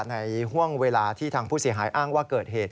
ห่วงเวลาที่ทางผู้เสียหายอ้างว่าเกิดเหตุ